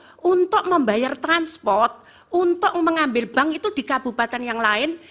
untuk membayar transport untuk mengambil bank itu di kabupaten yang lain